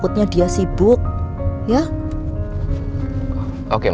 supaya ricky gak meyakinkan